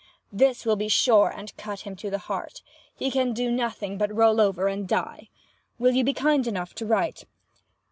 This will be sure and cut him to the heart. He can do nothing but roll over and die. Will you be kind enough to write?